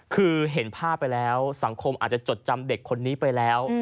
คือเห็นภาพไปแล้วสังคมอาจจะจดจำเด็กคนนี้ไปแล้ว